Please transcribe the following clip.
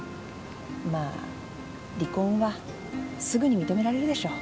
まあ離婚はすぐに認められるでしょう。